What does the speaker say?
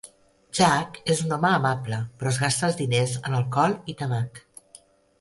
Jack és un home amable, però es gasta els diners en alcohol i tabac.